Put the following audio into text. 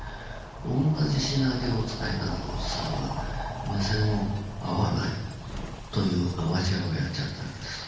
同じシナリオを使いながら小津さんは目線を合わないというアマチュアをやっちゃったわけです。